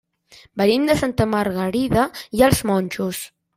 Venim de Santa Margarida i els Monjos.